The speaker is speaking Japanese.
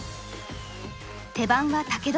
手番は武富。